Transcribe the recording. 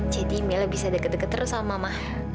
jadi mila bisa deket deket terus sama mama